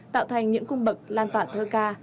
tạo thành những cung bậc lan toàn thơ cung cấp